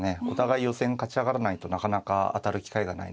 勝ち上がらないとなかなか当たる機会がないので。